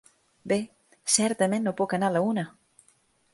Bé, certament no puc anar a la una.